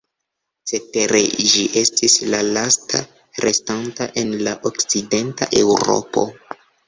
Cetere ĝi estis la lasta restanta en la Okcidenta Eŭropo.